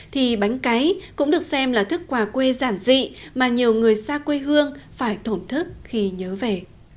thì bánh cấy cũng được xem là thức quà quê giản dị mà nhiều người xa quê hương phải thổn thức khi nhớ về